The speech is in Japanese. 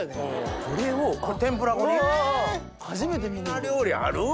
こんな料理ある？